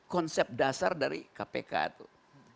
konsep dasar dari kpk tuh